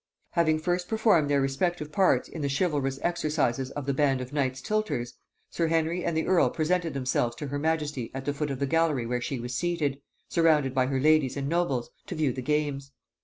Having first performed their respective parts in the chivalrous exercises of the band of knights tilters, sir Henry and the earl presented themselves to her majesty at the foot of the gallery where she was seated, surrounded by her ladies and nobles, to view the games.